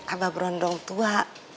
abah berondong tua